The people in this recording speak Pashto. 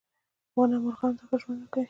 • ونه مرغانو ته ښه ژوند ورکوي.